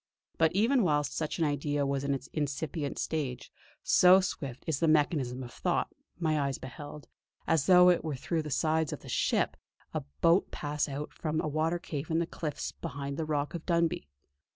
But even whilst such an idea was in its incipient stage, so swift is the mechanism of thought, my eyes beheld, as though it were through the sides of the ship, a boat pass out from a watercave in the cliffs behind the Rock of Dunbuy.